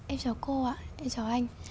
em chào cô ạ em chào anh